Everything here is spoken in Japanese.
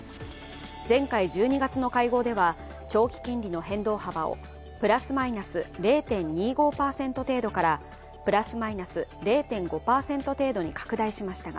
前回１２月の会合では、長期金利の変動幅をプラスマイナス０．２５％程度からプラスマイナス０．５％程度に拡大しましたが、